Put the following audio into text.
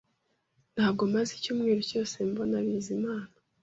Ntabwo maze icyumweru cyose mbona Bizimana